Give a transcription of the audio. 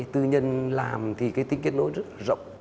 tự nhiên làm thì cái kết nối rất rộng